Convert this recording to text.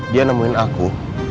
dia nemuin aku